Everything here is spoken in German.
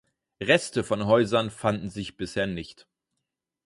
Reste von Häusern fanden sich bisher nicht.